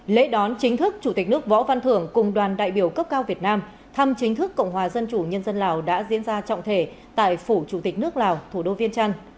lễ đón chính thức chủ tịch nước võ văn thưởng cùng đoàn đại biểu cấp cao việt nam thăm chính thức cộng hòa dân chủ nhân dân lào đã diễn ra trọng thể tại phủ chủ tịch nước lào thủ đô viên trăn